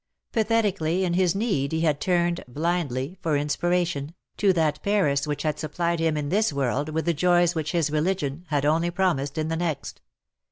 Pathetically in his need he had turned — blindly — for inspiration, to that Paris which had supplied him in this world with the joys which his religion had only promised in the next.